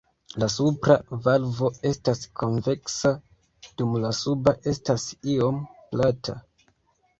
La supra valvo estas konveksa dum la suba estas iom plata.